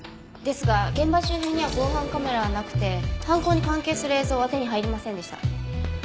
ですが現場周辺には防犯カメラはなくて犯行に関係する映像は手に入りませんでした。